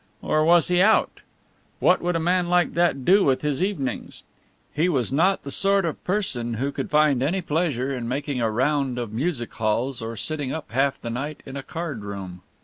Or was he out? What would a man like that do with his evenings? He was not the sort of person who could find any pleasure in making a round of music halls or sitting up half the night in a card room.